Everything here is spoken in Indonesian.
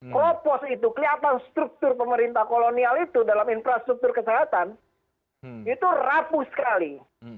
klopos itu kelihatan struktur pemerintah kolonial itu dalam infrastruktur kesehatan itu rapuh sekali